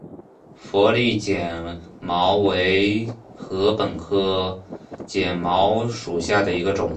佛利碱茅为禾本科碱茅属下的一个种。